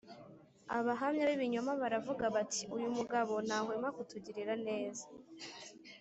abahamya b ibinyoma baravuga bati uyu mugabo ntahwema kutugirira neza